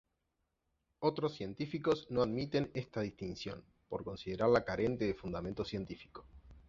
Otros científicos no admiten esta distinción, por considerarla carente de fundamento científico.